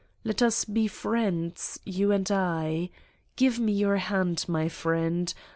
Let us be friends, you and I. Give me your hand, my friend !